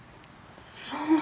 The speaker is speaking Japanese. そんな。